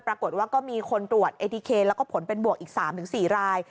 ปรากฏว่าก็มีคนตรวจแล้วก็ผลเป็นบวกอีกสามถึงสี่ราย